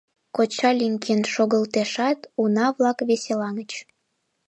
Коча лӱҥген шогылтешат, уна-влак веселаҥыч.